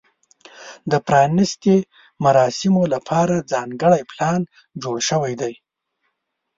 د پرانیستې مراسمو لپاره ځانګړی پلان جوړ شوی دی.